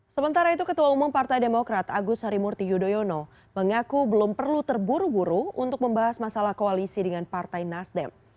sementara itu ketua umum partai demokrat agus harimurti yudhoyono mengaku belum perlu terburu buru untuk membahas masalah koalisi dengan partai nasdem